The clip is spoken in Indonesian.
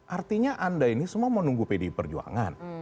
artinya anda ini semua menunggu pdi perjuangan